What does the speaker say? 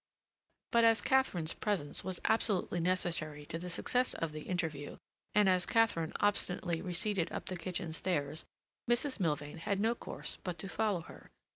But as Katharine's presence was absolutely necessary to the success of the interview, and as Katharine obstinately receded up the kitchen stairs, Mrs. Milvain had no course but to follow her.